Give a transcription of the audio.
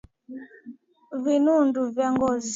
Vinundu vya Ngozi